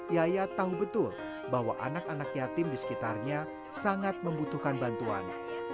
yaya tahu betul bahwa anak anak yatim di sekitarnya sangat membutuhkan bantuan